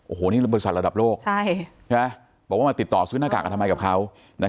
โอ้โหนี่บริษัทระดับโลกบอกว่ามาติดต่อซื้อหน้ากากอนามัยกับเขา